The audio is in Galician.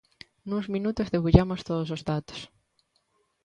Nuns minutos debullamos todos os datos.